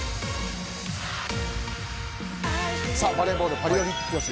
さあ、バレーボールパリオリンピック予選